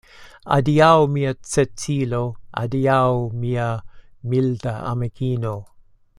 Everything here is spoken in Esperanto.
Adiaŭ, mia Cecilo, adiaŭ mia milda amikino.